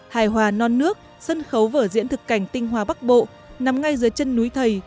hài hòa non nước sân khấu vở diễn thực cảnh tinh hoa bắc bộ nằm ngay dưới chân núi thầy